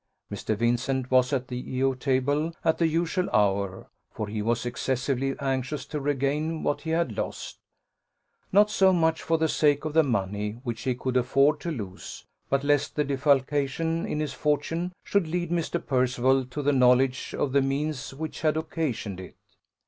Mr. Vincent was at the E O table at the usual hour, for he was excessively anxious to regain what he had lost, not so much for the sake of the money, which he could afford to lose, but lest the defalcation in his fortune should lead Mr. Percival to the knowledge of the means which had occasioned it.